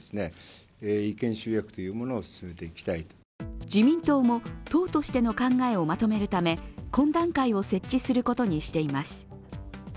一方、自民党は自民党も、党としての考えをまとめるため懇談会を設置することにしています。